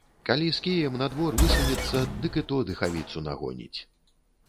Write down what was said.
Калі з кіем на двор высунецца, дык і то дыхавіцу нагоніць.